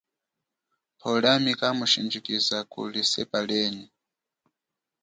Pwo liami kamushindjikiza kuli sepa lienyi.